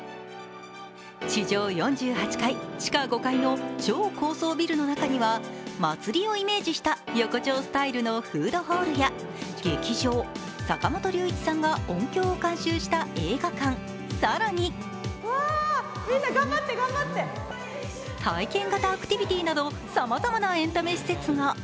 地上４８階・地下５階の超高層ビルの中には祭りをイメージした横丁スタイルのフードホールや劇場、坂本龍一さんが音響を監修した映画館、更に体験型アクティビティーなどさまざまなエンタメ施設が。